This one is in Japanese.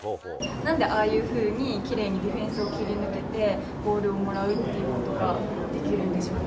なんでああいうふうにきれいにディフェンスを切り抜けて、ボールをもらうっていうことができるんでしょうか。